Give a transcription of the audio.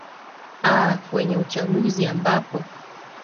aa kwenye uchaguzi ambapo